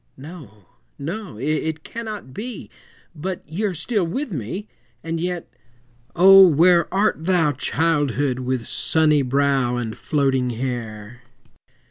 No, no, it cannot be, But ye are still with me! And yet, O! where art thou, Childhood, with sunny brow And floating hair?